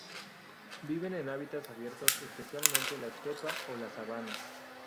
Viven en hábitats abiertos, especialmente la estepa o la sabana.